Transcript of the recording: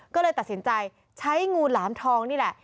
ก็เลยตัดสินใจใช้งูหลามทองนี่แหละ